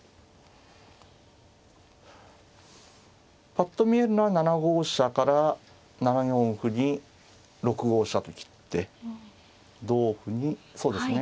パッと見えるのは７五飛車から７四歩に６五飛車と切って同歩にそうですね